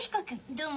どうも。